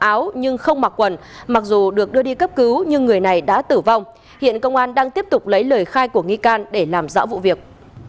áo nhưng không mặc quần mặc dù được đưa đi cấp cứu nhưng người này đã tử vong hiện công an đang tiếp tục lấy lời khai của nghi can để làm rõ vụ việc